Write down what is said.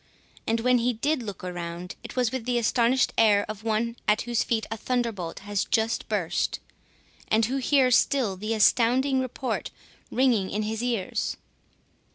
And when he did look around, it was with the astonished air of one at whose feet a thunderbolt has just burst, and who hears still the astounding report ringing in his ears.